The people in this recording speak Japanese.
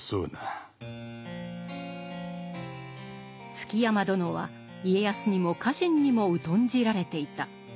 築山殿は家康にも家臣にも疎んじられていた。